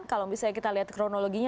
kalau misalnya kita lihat kronologinya